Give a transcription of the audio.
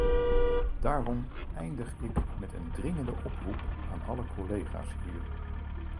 Daarom eindig ik met een dringende oproep aan alle collega's hier.